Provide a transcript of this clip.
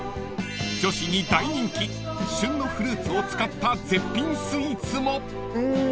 ［女子に大人気旬のフルーツを使った絶品スイーツも］ん。